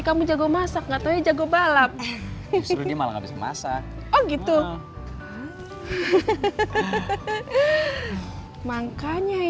kamu jago masak atau jago balap itu malah bisa masa gitu makanya ya anaknya tante milih kamu